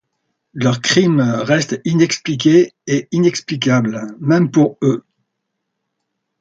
Leur crime reste inexpliqué et inexplicable, même pour eux.